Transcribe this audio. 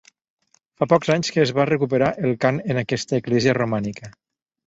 Fa pocs anys que es va recuperar el cant en aquesta església romànica.